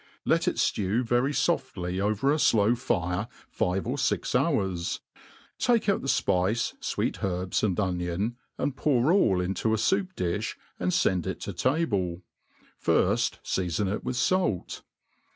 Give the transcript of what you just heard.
Let it (lew very foftly over a flow fire five or fix ,hours ; take out the fpice, fweet herbs, and onion, and pour all into a foup di(h, and fend it to table; firft feafon it with fait.